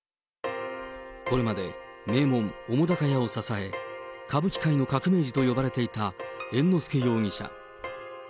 これまで、名門、澤瀉屋を支え、歌舞伎界の革命児と呼ばれていた猿之助容疑者。